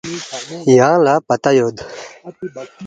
”یانگ لہ پتہ یود